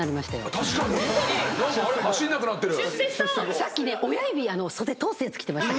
さっきね親指袖通すやつ着てました。